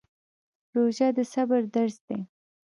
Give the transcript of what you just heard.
روژه د صبر درس دی